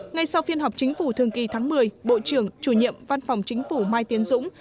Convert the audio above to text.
ngay sau phiên họp chính phủ thường kỳ tháng một mươi bộ trưởng chủ nhiệm văn phòng chính phủ mai tiến dũng